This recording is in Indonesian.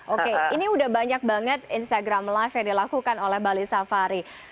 oke ini udah banyak banget instagram live yang dilakukan oleh bali safari